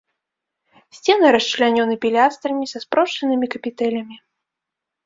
Сцены расчлянёны пілястрамі са спрошчанымі капітэлямі.